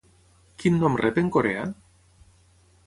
Quin nom rep en coreà?